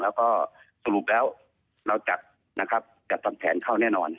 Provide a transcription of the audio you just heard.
แล้วก็สรุปแล้วเราจัดแผนเข้าแน่นอน